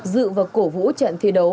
dự và cổ vũ trận thi đấu